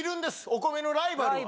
お米のライバルは。